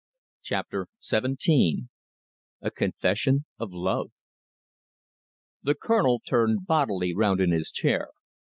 CHAPTER XVII A CONFESSION OF LOVE The Colonel turned bodily round in his chair.